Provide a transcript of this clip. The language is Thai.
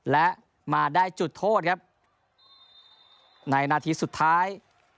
และมาได้จุดโทษครับในนาทีสุดท้าย